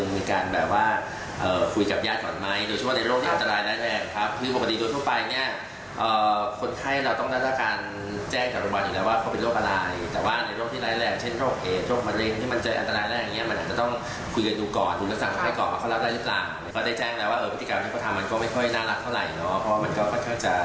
มันได้แจ้งแล้วว่าพฤติกรรมท่องู้นครากามก็ไม่ค่อยน่ารักเท่าไหร่เนาะ